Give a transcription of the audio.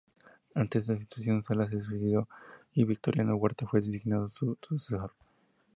Ante esta situación Salas se suicidó y Victoriano Huerta fue designado su sucesor.